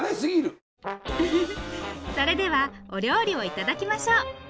それではお料理を頂きましょう。